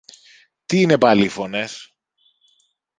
Τι είναι πάλι οι φωνές;